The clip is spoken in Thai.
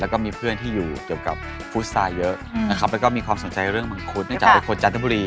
แล้วก็มีเพื่อนที่อยู่เกี่ยวกับฟุตซาเยอะนะครับแล้วก็มีความสนใจเรื่องมังคุดเนื่องจากเป็นคนจันทบุรี